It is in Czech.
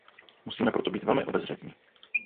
Musíme proto být velmi obezřetní.